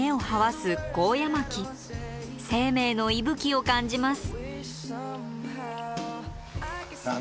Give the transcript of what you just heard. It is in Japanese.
生命の息吹を感じます。